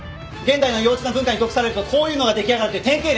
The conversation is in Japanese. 現代の幼稚な文化に毒されるとこういうのが出来上がるという典型例だ。